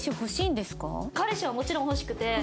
彼氏はもちろん欲しくて。